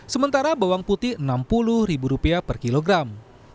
sementara bawang putih rp enam puluh per kilogram